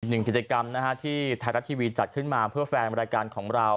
หนึ่งกิจกรรมนะฮะที่ไทยรัฐทีวีจัดขึ้นมาเพื่อแฟนรายการของเรา